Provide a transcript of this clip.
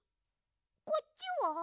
こっちは？